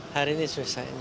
hari ini swiss lah ya